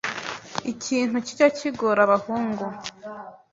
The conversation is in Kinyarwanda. Ikintu kijya kigora abahungu